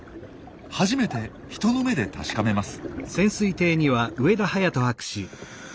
初めて人の目で確かめます。